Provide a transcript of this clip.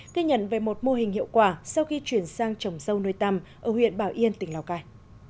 ghi nhận về một mô hình hiệu quả sau khi chuyển sang trồng sâu nơi tăm ở huyện bảo yên tỉnh lào cai